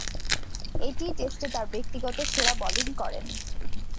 এটিই টেস্টে তার ব্যক্তিগত সেরা বোলিং করেন।